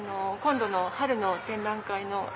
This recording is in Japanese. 今度の春の展覧会の。